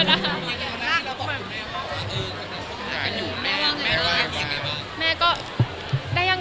อันนี้ก็ต้อง